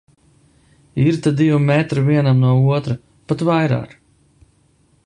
Ir te divi metri vienam no otra, pat vairāk.